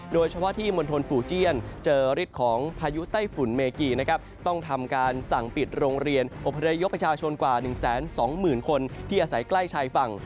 โดยเฉพาะที่มณฑลฟูเจียนเจอฤทธิ์ของพายุไต้ฝุ่นเมกีนะครับต้องทำการสั่งปิดโรงเรียนอบพยพประชาชนกว่า๑๒๐๐๐คนที่อาศัยใกล้ชายฝั่ง